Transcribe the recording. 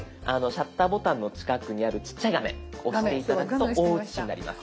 シャッターボタンの近くにあるちっちゃい画面押して頂くと大写しになります。